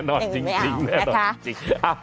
แน่นอนจริงจริงนะคะอ้าวไม่เอาค่ะ